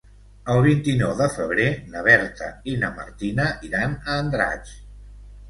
El vint-i-nou de febrer na Berta i na Martina iran a Andratx.